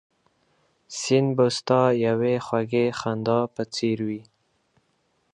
سیند به ستا یوې خوږې خندا په څېر وي